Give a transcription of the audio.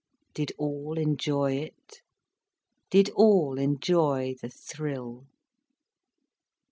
Did all enjoy it? Did all enjoy the thrill?